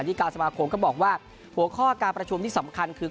ที่การสมาคมก็บอกว่าหัวข้อการประชุมที่สำคัญคือ